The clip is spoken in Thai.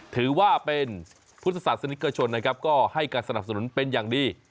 ถือว่าเป็นพุทธศาสนิกชนนะครับก็ให้การสนับสนุนเป็นอย่างดี